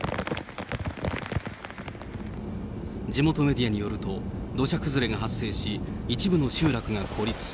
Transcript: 地元メディアによると、土砂崩れが発生し、一部の集落が孤立。